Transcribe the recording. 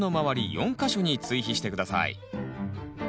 ４か所に追肥して下さい。